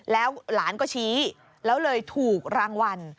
แล้วหลานก็ชี้แล้วเลยถูกรางวัล